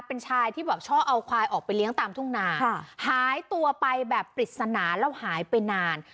เป็นชายที่แบบชอบเอาควายออกไปเลี้ยงตามทุ่งนาหายตัวไปแบบปริศนาแล้วหายไปนาน